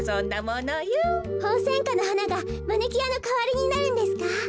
ホウセンカのはながマニキュアのかわりになるんですか？